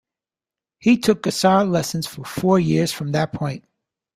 He took guitar lessons for four years from that point.